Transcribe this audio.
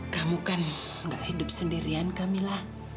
kamu kan nggak hidup sendirian kamila